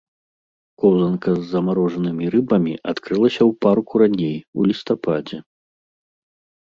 Коўзанка з замарожанымі рыбамі адкрылася ў парку раней у лістападзе.